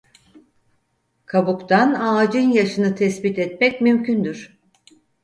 Kabuktan ağacın yaşını tespit etmek mümkündür.